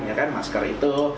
ya kan masker itu